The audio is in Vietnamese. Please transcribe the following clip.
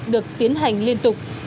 được tiến hành liên tục